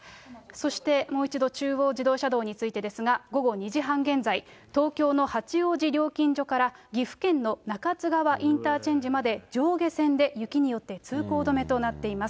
そしてもう一度、中央自動車道についてですが、午後２時半現在、東京の八王子料金所から岐阜県の中津川インターチェンジまで上下線で雪によって通行止めとなっています。